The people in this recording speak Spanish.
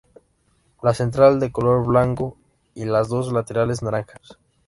La central de color blanco y las dos laterales, naranjas.